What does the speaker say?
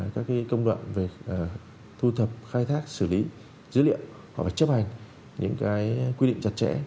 các công đoạn về thu thập khai thác xử lý dữ liệu họ phải chấp hành những quy định chặt chẽ